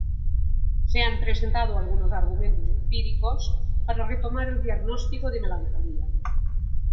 Se han presentado algunos argumentos empíricos para retomar el diagnóstico de melancolía.